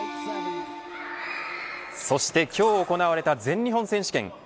そして今日行われた全日本選手権。